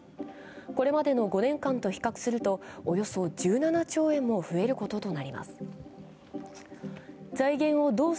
これまでの５年間と比較するとおよそ１７兆円も増えることとなります。